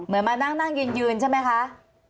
เหมือนมานั่งยืนใช่ไหมคะ